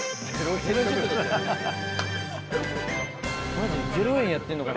マジで０円やってんのかな。